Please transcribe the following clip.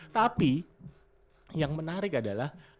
tapi yang menarik adalah